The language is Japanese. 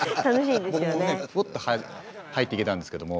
僕もねポッと入っていけたんですけども。